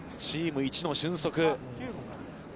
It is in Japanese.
チーム一の俊足。